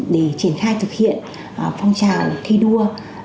để triển khai thực hiện phong trào thi đua